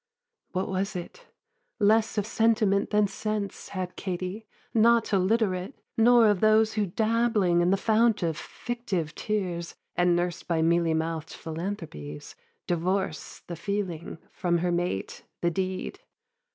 'What was it? less of sentiment than sense Had Katie; not illiterate; nor of those Who dabbling in the fount of fictive tears, And nursed by mealy mouth'd philanthropies, Divorce the Feeling from her mate the Deed.